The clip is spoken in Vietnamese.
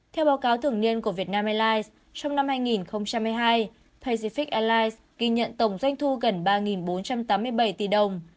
theo báo cáo thường niên của việt nam airlines trong năm hai nghìn hai mươi hai pacific airlines ghi nhận tổng doanh thu gần ba bốn trăm tám mươi bảy tỷ đồng